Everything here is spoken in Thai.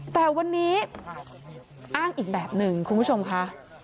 แต่วันนี้อ้างอีกแบบหนึ่งคุณผู้ชมค่ะ